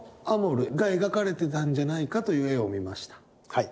はい。